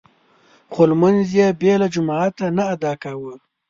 خو لمونځ يې بې له جماعته نه ادا کاوه.